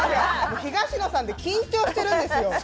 東野さんで緊張してるんですよ。